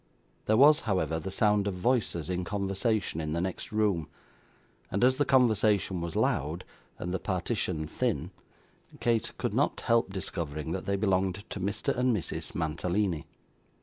There was, however, the sound of voices in conversation in the next room; and as the conversation was loud and the partition thin, Kate could not help discovering that they belonged to Mr and Mrs. Mantalini.